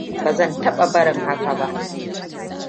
Ba zan taba barin haka ba.